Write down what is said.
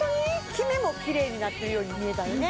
キメもキレイになってるように見えたよね